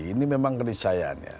ini memang kerisayaannya